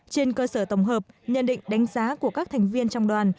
trên cơ sở tổng hợp nhận định đánh giá của các thành viên trong đoàn